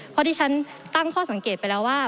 เพราะที่ฉันตั้งข้อสังเกตไปแล้วว่า